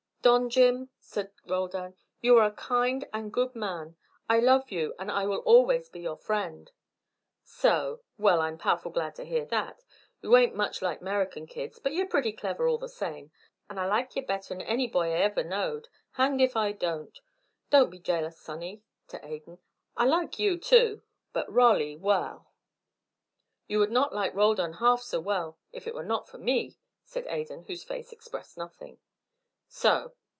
"Don Jim," said Roldan, "you are a kind and good man. I love you, and I will always be your friend." "So. Well, I'm powerful glad to hear that. You ain't much like 'Merican kids, but you're pretty clever all the same, and I like ye better 'n any boy I ever know'd, hanged if I don't. Don't be jealous, sonny" to Adan "I like ye too but Rolly well!" "You would not like Roldan half so well if it were not for me," said Adan, whose face expressed nothing. "So.